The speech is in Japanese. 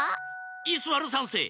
イスワル３せい！